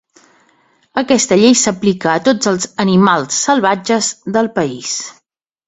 Aquesta llei s'aplica a tots els "animals salvatges" del país.